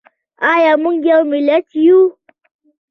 ایا موږ یو ملت یو؟